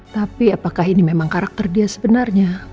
tapi apakah ini memang karakter dia sebenarnya